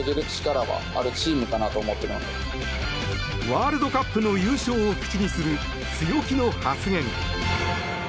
ワールドカップの優勝を口にする強気の発言。